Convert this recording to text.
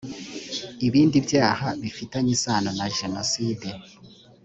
ibindi byaha bifitanye isano na jenoside